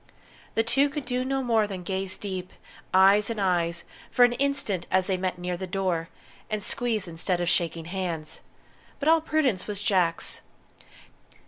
The two could do no more than gaze deep, eyes in eyes, for an instant, as they met near the door, and squeeze instead of shaking hands; but all prudence was Jack's.